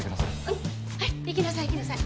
うんはい行きなさい行きなさい。